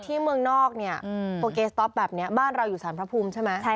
ที่เมืองนอกเนี่ยโปเกสต๊อปแบบนี้บ้านเราอยู่สารพระภูมิใช่ไหม